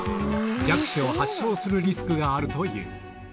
弱視を発症するリスクがあるという。